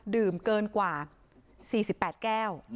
ดื่มเกินกว่า๔๘แก้ว